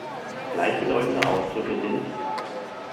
Gleichbedeutende Ausdrücke sind